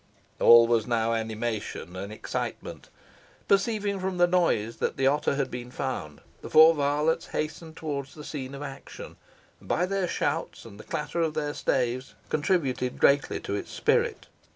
All was now animation and excitement. Perceiving from the noise that the otter had been found, the four varlets hastened towards the scene of action, and, by their shouts and the clatter of their staves, contributed greatly to its spirit.